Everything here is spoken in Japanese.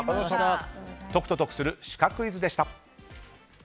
解くと得するシカクイズでした。